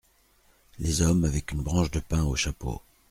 Les hommes avec une branche de pin au chapeau.